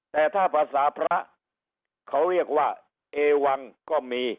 แต่ถ้าภาษาพระเขาเรียกว่าเอวังก็มี